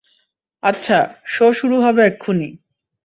আচ্ছা, শো শুরু হবে এক্ষুনি।